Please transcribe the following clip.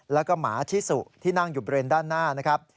แล้วก็หมาชิสุที่นั่งอยู่บริเวณด้านหน้านะครับ